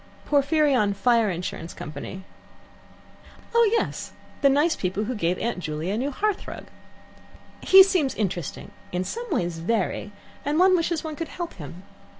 "Porphyrion Fire Insurance Company." "Oh yes; the nice people who gave Aunt Juley a new hearth rug. He seems interesting, in some ways very, and one wishes one could help him.